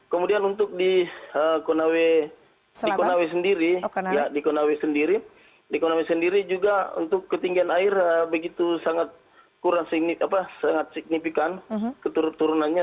kemudian untuk di konawe sendiri di konawe sendiri juga untuk ketinggian air begitu sangat signifikan keturunannya